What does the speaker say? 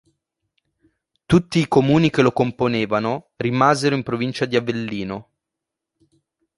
Tutti i comuni che lo componevano rimasero in provincia di Avellino.